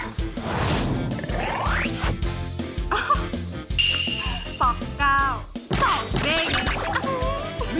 สองเก้า